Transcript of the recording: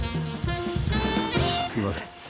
すいません。